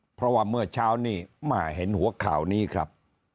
เพราะว่าเมื่อเช้านี้มาเห็นหัวข่าวนี้ครับ